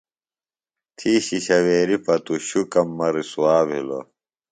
تھی شِشویریۡ پتوۡ شُکم مہ رسوا بِھلوۡ۔